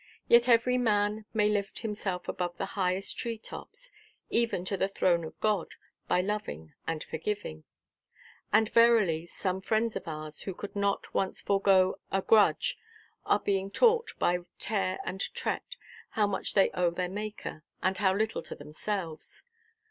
Yet every man may lift himself above the highest tree–tops, even to the throne of God, by loving and forgiving. And verily, some friends of ours, who could not once forego a grudge, are being taught, by tare and trett, how much they owe their Maker, and how little to themselves.